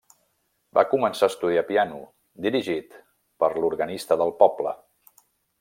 Va començar a estudiar piano, dirigit per l'organista del poble.